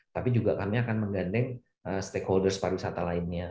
tapi juga kami akan menggandeng stakeholders pariwisata lainnya